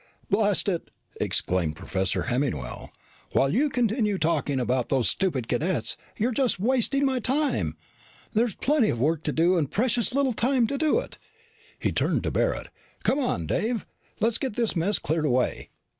"Blast it!" exclaimed Professor Hemmingwell. "While you continue talking about those stupid cadets, you're just wasting my time. There's plenty of work to do and precious little time to do it in." He turned to Barret. "Come on, Dave, let's get this mess cleared away."